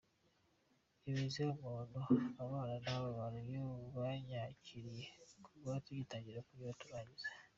imeze ukuntu abafana naba Rayon banyakiriye kuva tugitangira kugera turangiza.